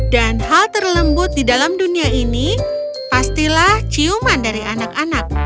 dan hal terlembut di dalam dunia ini pastilah ciuman dari anak anak